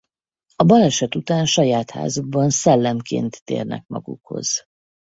A baleset után saját házukban szellemként térnek magukhoz.